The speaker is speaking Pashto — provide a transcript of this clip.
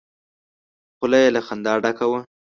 خوله يې له خندا ډکه وه!